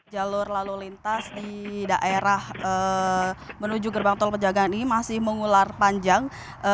jalur lalu lintas di daerah menuju gerbang tol pejagaan ini masih mengular panjang